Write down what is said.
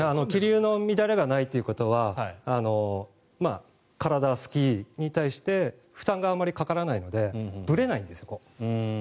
気流の乱れがないということは体、スキーに対して負担がかからないのでぶれないんですよ。